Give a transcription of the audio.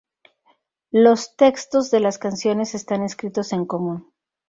Los textos de las canciones están escritos en común.